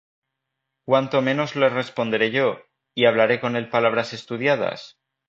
¿Cuánto menos le responderé yo, Y hablaré con él palabras estudiadas?